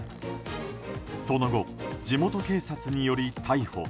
その後、地元警察により逮捕。